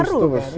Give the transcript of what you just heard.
mas baru kan ini